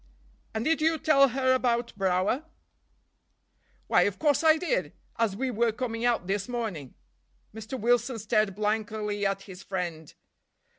"And did you tell her about Brower?" "Why, of course I did—as we were coming out this morning." Mr. Wilson stared blankly at his friend.